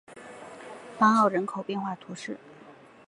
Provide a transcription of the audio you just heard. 邦奥人口变化图示